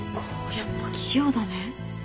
やっぱ器用だね。